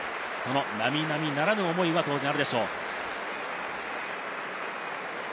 並々ならぬ思いがあるでしょう。